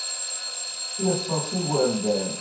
Yesseḍs igerdan.